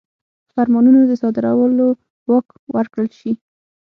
فرمانونو د صادرولو واک ورکړل شي.